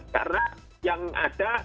karena yang ada